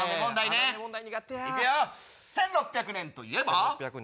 いくよ、１６００年といえば？